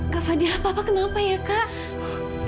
kak fadil papa kenapa ya kak